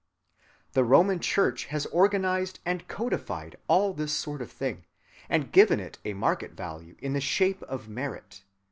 The Roman Church has organized and codified all this sort of thing, and given it a market‐value in the shape of "merit."